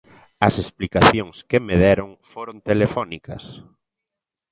"As explicacións que me deron foron telefónicas".